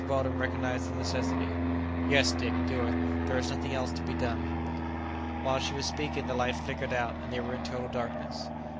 Weldon recognized the necessity, "Yes, Dick, do it; there is nothing else to be done." While she was speaking the light flickered out, and they were in total darkness.